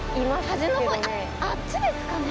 端のほうあっちですかね？